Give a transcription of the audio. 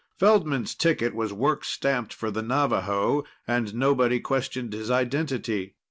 Feldman's ticket was work stamped for the Navaho, and nobody questioned his identity.